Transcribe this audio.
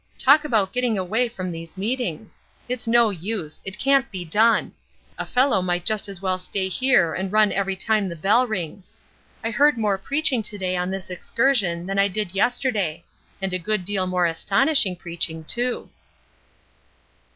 Talk about getting away from these meetings! It's no use; it can't be done. A fellow might just as well stay here and run every time the bell rings. I heard more preaching to day on this excursion than I did yesterday; and a good deal more astonishing preaching, too."